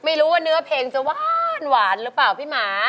ไม่รู้ว่าเนื้อเพลงจะหวานหรือเปล่าพี่หมา